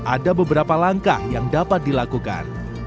ada beberapa langkah yang dapat dilakukan